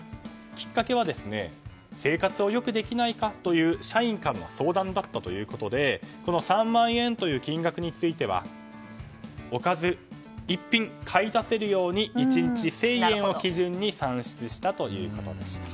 きっかけは生活を良くできないかという社員からの相談だったということで３万円という金額についてはおかず１品を買い足せるように１日１０００円を基準に算出したということでした。